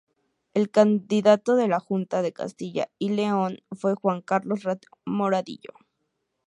El candidato a la Junta de Castilla y León fue Juan Carlos Rad Moradillo.